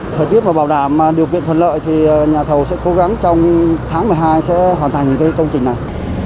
thời tiết và bảo đảm điều kiện thuận lợi thì nhà thầu sẽ cố gắng trong tháng một mươi hai sẽ hoàn thành công trình này